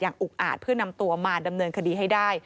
อุกอาจเพื่อนำตัวมาดำเนินคดีให้ได้